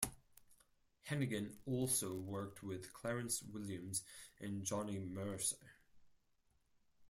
Hanighen also worked with Clarence Williams and Johnny Mercer.